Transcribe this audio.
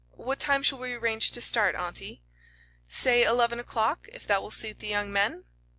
"What time shall we arrange to start, auntie?" "Say eleven o'clock, if that will suit the young men."